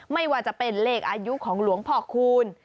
ไม่ว่าจะเป็นเลขอายุของหลวงพ่อคูณ